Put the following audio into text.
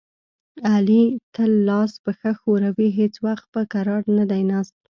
علي تل لاس پښه ښوروي، هېڅ وخت په کرار نه دی ناست.